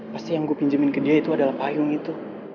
pasti yang gue pinjamin ke dia itu adalah payung gitu